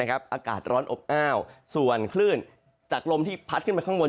อากาศร้อนอบอ้าวส่วนคลื่นจากลมที่พัดขึ้นไปข้างบน